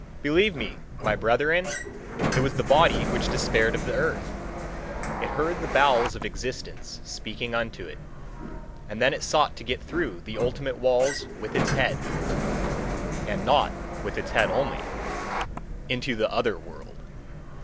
Believe me, my brethren! It was the body which despaired of the earth it heard the bowels of existence speaking unto it. And then it sought to get through the ultimate walls with its head and not with its head only into "the other world."